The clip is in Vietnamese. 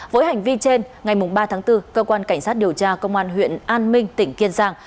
với hành vi trên ngày ba tháng bốn cơ quan cảnh sát điều tra công an huyện an minh tỉnh kiên giang